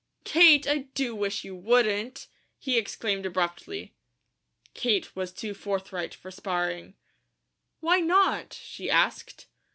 "Kate, I do wish you wouldn't!" he exclaimed abruptly. Kate was too forthright for sparring. "Why not?" she asked.